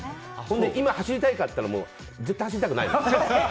今走りたいかっていったら絶対走りたくない。